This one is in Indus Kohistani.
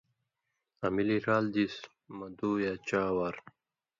آں ملی رال دېس مہ دُو یا ڇا وار